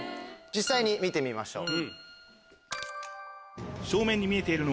実際に見てみましょう。